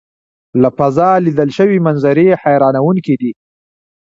له فضا لیدل شوي منظرې حیرانوونکې دي.